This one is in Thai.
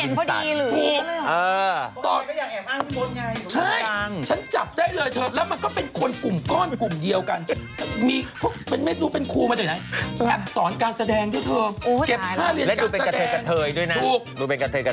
แล้วตอนนั้นฉันจับได้กางเซียนท่านลาทภาพเลยเถอะ